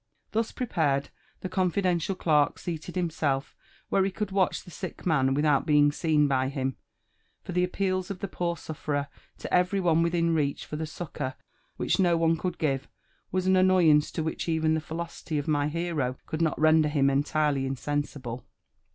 Thus prepared, the confidential clerk seated himself where he could watch the sick man without being seen by him; for the appeals of the poor ^flerer to every one within reach for the succour which no one coukl give, was an annoyance to which even the philqsophy of my hero eould not render him entirely insensfbte.